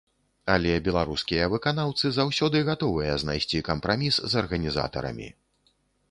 Але беларускія выканаўцы заўсёды гатовыя знайсці кампраміс з арганізатарамі.